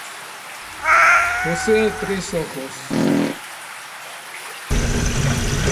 Posee tres ojos.